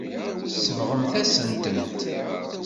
Tsebɣemt-asent-tent.